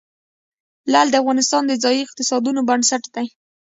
لعل د افغانستان د ځایي اقتصادونو بنسټ دی.